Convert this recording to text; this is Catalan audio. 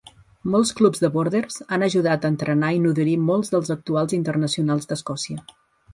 Molts clubs de Borders han ajudat a entrenar i nodrir molts dels actuals internacionals d'Escòcia.